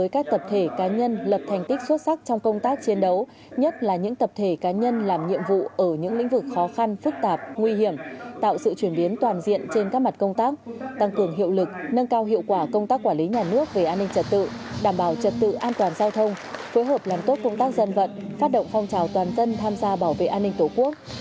các tập thể cá nhân lập thành tích xuất sắc trong công tác chiến đấu nhất là những tập thể cá nhân làm nhiệm vụ ở những lĩnh vực khó khăn phức tạp nguy hiểm tạo sự chuyển biến toàn diện trên các mặt công tác tăng cường hiệu lực nâng cao hiệu quả công tác quản lý nhà nước về an ninh trật tự đảm bảo trật tự an toàn giao thông phối hợp làm tốt công tác dân vận phát động phong trào toàn dân tham gia bảo vệ an ninh tổ quốc